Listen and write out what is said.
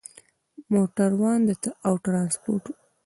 موټروان او ترانسپورت